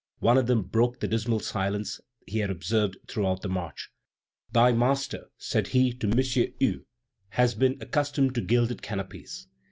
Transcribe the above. One of them broke the dismal silence he had observed throughout the march. "Thy master," said he to M. Hue, "has been accustomed to gilded canopies.